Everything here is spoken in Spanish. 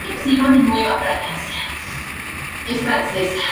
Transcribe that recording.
Nació en Brooklyn.